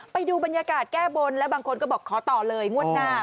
ไปดูบรรยากาศแก้บนแล้วบางคนก็บอกขอต่อเลยงวดหน้า